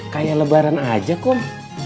kayak lebaran aja kok